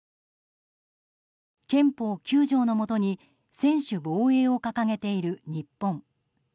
憲法９条の下に専守防衛を掲げている日本。